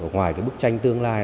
ngoài cái bức tranh tương lai